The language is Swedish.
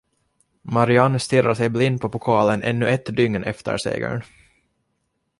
Marianne stirrade sig blind på pokalen ännu ett dygn efter segern.